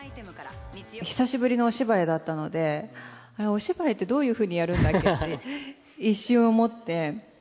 久しぶりのお芝居だったので、お芝居ってどういうふうにやるんだっけって一瞬思って。